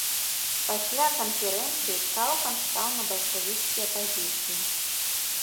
Пасля канферэнцыі цалкам стаў на бальшавіцкія пазіцыі.